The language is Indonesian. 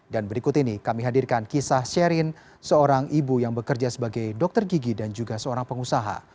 dan berikut ini kami hadirkan kisah sherin seorang ibu yang bekerja sebagai dokter gigi dan juga seorang pengusaha